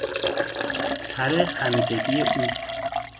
سر خمیدگی او